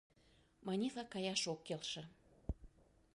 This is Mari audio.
— Манефа, каяш ок келше.